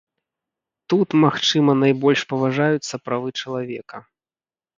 Тут, магчыма, найбольш паважаюцца правы чалавека.